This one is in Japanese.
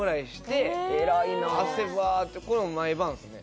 ッてこれも毎晩ですね